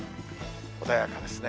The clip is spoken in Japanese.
穏やかですね。